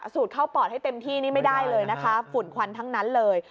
เข้าปอดให้เต็มที่นี่ไม่ได้เลยนะคะฝุ่นควันทั้งนั้นเลย